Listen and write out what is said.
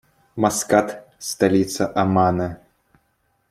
Маскат - столица Омана.